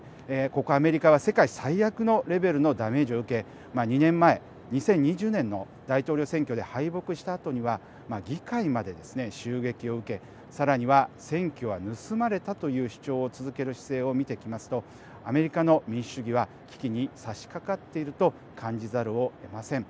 ここアメリカは世界最悪のレベルのダメージを受け２年前、２０２０年の大統領選挙で敗北したあとには議会までですね、襲撃を受けさらには選挙は盗まれたという主張を続ける姿勢を見ていきますとアメリカの民主主義は危機にさしかかっていると感じざるをえません。